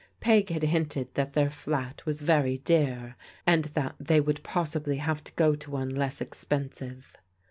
Peg had hinted that their flat was very dear, and that they would possibly have to go to one less expensive.